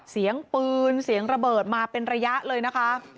เสียงปืนเสียงระเบิดมาเป็นระยะเลยนะคะ